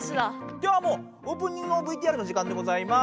じゃあもうオープニングのＶＴＲの時間でございます。